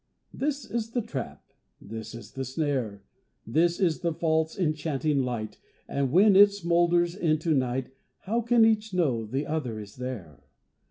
This is the trap; this is the snare, This is the false, enchanting light, And when it smoulders into night, How can each know the other is there?